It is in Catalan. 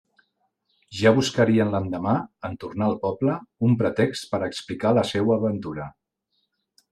Ja buscarien l'endemà, en tornar al poble, un pretext per a explicar la seua aventura.